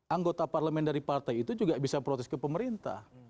anggota parlemen dari partai itu juga bisa protes ke pemerintah